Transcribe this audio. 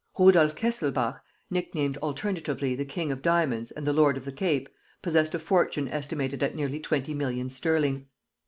Rudolf Kesselbach, nicknamed alternatively the King of Diamonds and the Lord of the Cape, possessed a fortune estimated at nearly twenty millions sterling.